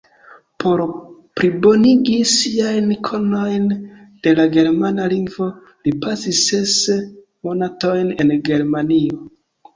Por plibonigi siajn konojn de la germana lingvo li pasis ses monatojn en Germanio.